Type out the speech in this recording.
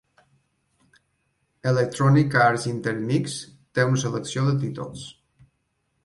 Electronic Arts Intermix té una selecció de títols.